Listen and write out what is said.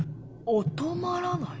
お泊まらない。